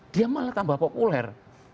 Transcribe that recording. dia malah tambah populer